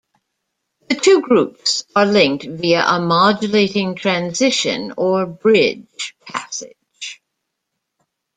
The two groups are linked via a modulating transition, or bridge, passage.